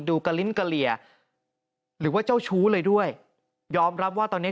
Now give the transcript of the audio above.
กระลิ้นกะเหลี่ยหรือว่าเจ้าชู้เลยด้วยยอมรับว่าตอนเนี้ย